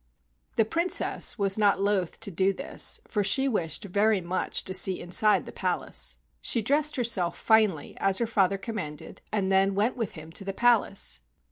The Princess was not loath to do this, for she wished very much to see inside the palace. She dressed herself finely as her father com¬ manded and then went with him to the palace.